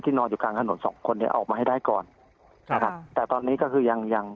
นอนอยู่กลางถนนสองคนเนี้ยออกมาให้ได้ก่อนนะครับแต่ตอนนี้ก็คือยังยัง